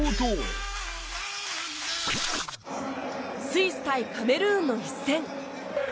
スイス対カメルーンの一戦。